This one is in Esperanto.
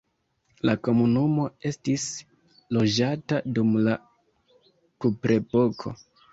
La komunumo estis loĝata dum la kuprepoko.